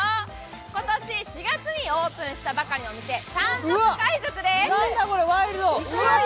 今年４月にオープンしたばかりのお店、山賊海賊です！